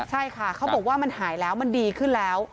ใช่ค่ะเขาบอกว่ามันหายแล้วมันดีขึ้นแล้ว